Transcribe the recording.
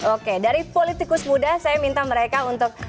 oke dari politikus muda saya minta mereka untuk